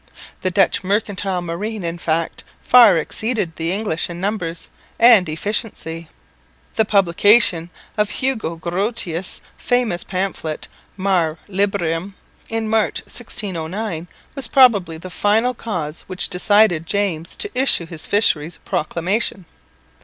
The Dutch mercantile marine in fact far exceeded the English in numbers and efficiency. The publication of Hugo Grotius' famous pamphlet, Mare Liberum, in March, 1609, was probably the final cause which decided James to issue his Fisheries' proclamation.